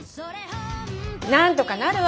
なんとかなるわ。